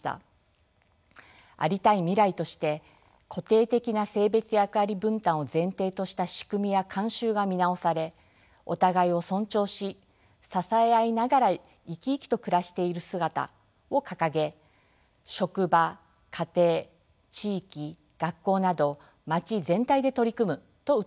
ありたい未来として固定的な性別役割分担を前提とした仕組みや慣習が見直されお互いを尊重し支え合いながら生き生きと暮らしている姿を掲げ職場家庭地域学校など町全体で取り組むとうたっています。